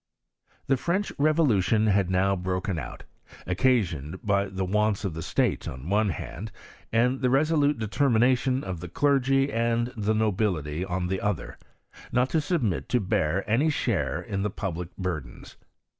The French revolution had now broken out, oc casioned by the wants of the state on the one hand^ and the resolute determination of the clergy and the l86 HISTORY op CHEMISTRT. nobilily on the otiier, not to aiibmit to bear any share in the public burdens.